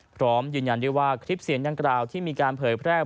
พร้อมยืนยันได้ว่าคลิปเสียงดังกล่าวที่มีการเผยแพร่